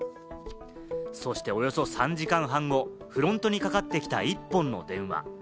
そしておよそ３時間半後、フロントにかかってきた１本の電話。